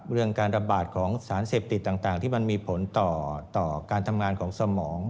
เรื่องการระบาดของสารเสพติดต่างที่มันมีผลต่อการทำงานของสมอง